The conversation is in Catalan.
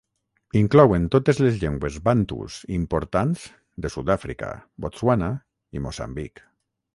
Inclouen totes les llengües bantus importants de Sud-àfrica, Botswana i Moçambic.